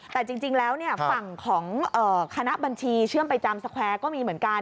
แต่จริงแล้วฝั่งของคณะบัญชีเชื่อมไปจำสแควร์ก็มีเหมือนกัน